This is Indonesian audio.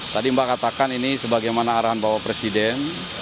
tadi mbak katakan ini sebagaimana arahan bapak presiden